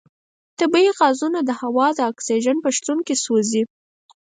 طبیعي غازونه د هوا د اکسیجن په شتون کې سوځي.